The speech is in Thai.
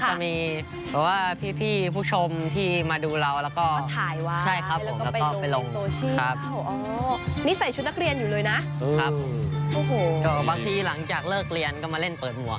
จะมีพี่ผู้ชมที่มาดูเราแล้วก็